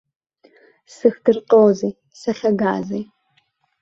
Сзыхдырҟьози, сахьагази.